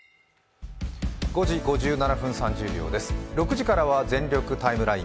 ６時からは「全力タイムライン」。